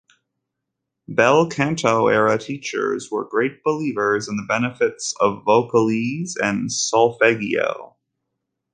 Bel canto-era teachers were great believers in the benefits of vocalise and solfeggio.